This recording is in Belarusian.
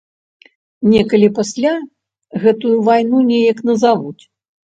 Некалі пасля, гэтую вайну неяк назавуць.